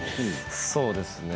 そうですね。